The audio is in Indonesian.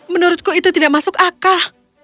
menurutku itu tidak masuk akal